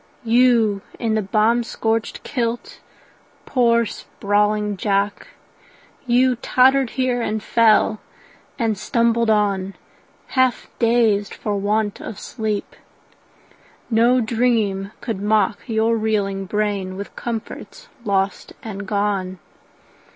You in the bomb scorched kilt, poor sprawling Jock, You tottered here and fell, and stumbled on, Half dazed for want of sleep. No dream could mock Your reeling brain with comforts lost and gone.